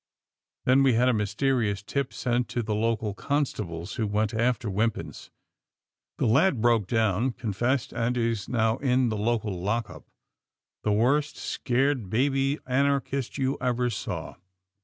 Then we had a ^mysterious' tip sent to the local constables, who went after "Wimpins. The lad broke down, confessed, and is now in the local lock up — the worst scared baby anarchist you ever saw.